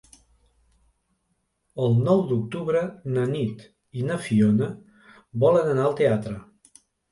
El nou d'octubre na Nit i na Fiona volen anar al teatre.